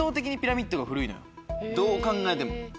どう考えても。